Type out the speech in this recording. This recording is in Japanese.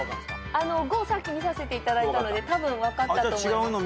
５をさっき見させていただいたのでたぶん分かったと思います。